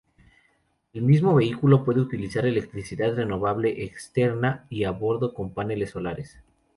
El mismo vehículo puede utilizar electricidad renovable externa y a bordo con paneles solares.